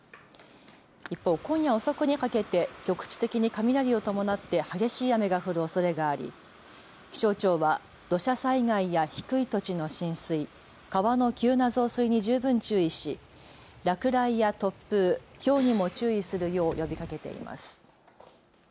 一方、今夜遅くにかけて局地的に雷を伴って激しい雨が降るおそれがあり気象庁は土砂災害や低い土地の浸水、川の急な増水に十分注意し落雷や突風、ひょうにも注意するよう呼びかけています。